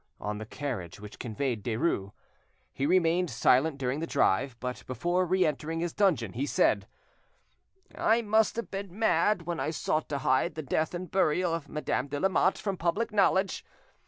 on the carriage which conveyed Derues. He remained silent during the drive, but before re entering his dungeon, he said— "I must have been mad when I sought to hide the death and burial of Madame de Lamotte from public knowledge.